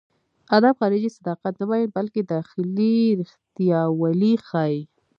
ادب خارجي صداقت نه بيانوي، بلکې داخلي رښتياوالی ښيي.